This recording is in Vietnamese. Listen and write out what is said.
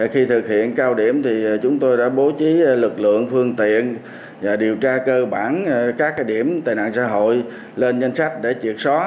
khi thực hiện cao điểm thì chúng tôi đã bố trí lực lượng phương tiện điều tra cơ bản các điểm tệ nạn xã hội lên danh sách để triệt só